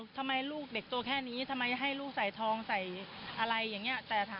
ทำไมลูกเด็กตัวแค่นี้ทำไมให้ลูกใส่ทองเสร็จแล้ว